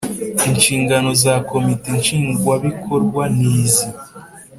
Inshingano za Komite Nshingwabikorwa ni izi